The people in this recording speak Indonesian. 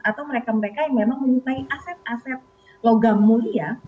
atau mereka mereka yang memang menyukai aset aset logam mulia